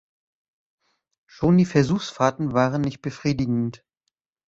Schon die Versuchsfahrten waren nicht befriedigend.